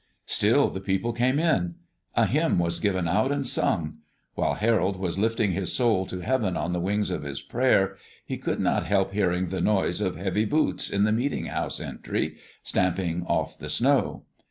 Still the people came in. A hymn was given out and sung. While Harold was lifting his soul to heaven on the wings of his prayer, he could not help hearing the noise of heavy boots in the meeting house entry, stamping off the snow.